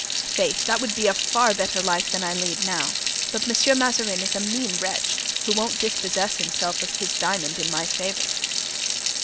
Faith! that would be a far better life than I lead now; but Monsieur Mazarin is a mean wretch, who won't dispossess himself of his diamond in my favor."